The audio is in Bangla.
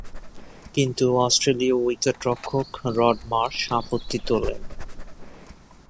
কিন্তু অস্ট্রেলীয় উইকেট-রক্ষক রড মার্শ আপত্তি তোলেন।